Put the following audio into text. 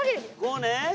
こうね？